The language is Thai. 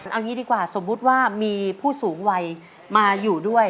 เอางี้ดีกว่าสมมุติว่ามีผู้สูงวัยมาอยู่ด้วย